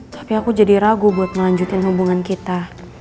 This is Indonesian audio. tapi aku jadi ragu buat melanjutkan hubungan kita